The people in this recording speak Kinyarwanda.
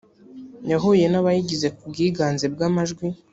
yahuye n’abayigize ku bwiganze bw’amajwi